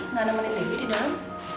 nggak nemenin lagi di dalam